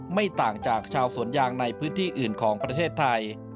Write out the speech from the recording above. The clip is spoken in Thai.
ไม่ต่างจากชาวสวนยางในพื้นที่อื่นของประเทศไทย